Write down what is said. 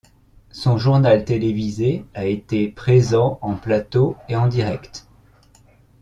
Son journal télévisé a été présent en plateau et en direct.